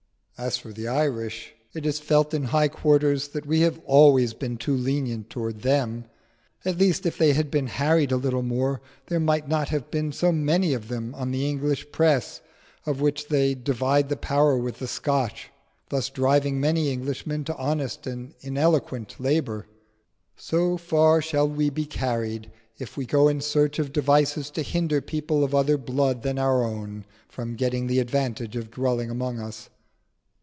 As for the Irish, it is felt in high quarters that we have always been too lenient towards them; at least, if they had been harried a little more there might not have been so many of them on the English press, of which they divide the power with the Scotch, thus driving many Englishmen to honest and ineloquent labour. So far shall we be carried if we go in search of devices to hinder people of other blood than our own from getting the advantage of dwelling among us.